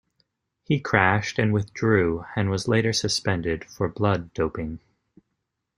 He crashed and withdrew and was later suspended for blood doping.